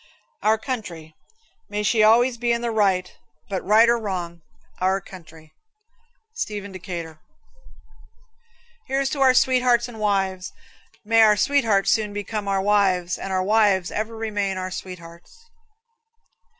Our Country. May she always be in the right but, right or wrong, Our Country. Stephen Decatur. Here's to our sweethearts and our wives. May our sweethearts soon become our wives and our wives ever remain our sweethearts.